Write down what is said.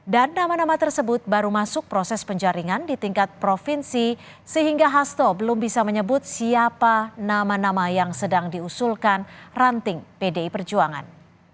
dan nama nama tersebut baru masuk proses penjaringan di tingkat provinsi sehingga hasto belum bisa menyebut siapa nama nama yang sedang diusulkan ranting pdi perjuangan